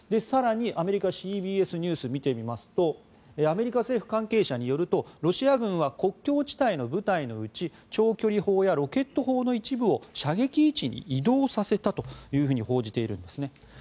更に、アメリカＣＢＳニュースを見てみますとアメリカ政府関係者によるとロシア軍は国境地帯の部隊のうち長距離砲やロケット砲の一部を射撃位置に移動させたと報じているんですね。